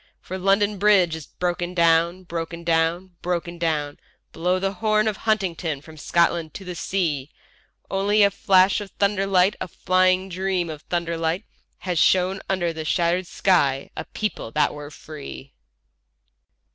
For London Bridge is broken down, broken down, broken down; Blow the horn of Huntingdon from Scotland to the sea— ... Only a flash of thunder light, a flying dream of thunder light, Had shown under the shattered sky a people that were free.